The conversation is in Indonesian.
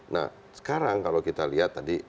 nah sekarang kalau kita lihat tadi